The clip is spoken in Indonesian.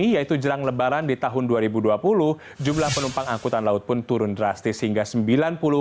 yang semakin turun lagi